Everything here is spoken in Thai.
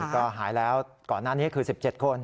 ก็หายแล้วก่อนหน้านี้คือ๑๗คน